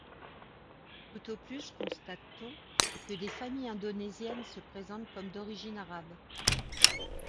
Tout au plus constate-t-on que des familles indonésiennes se présentent comme d'origine arabe.